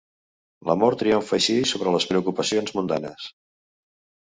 L'amor triomfa així sobre les preocupacions mundanes.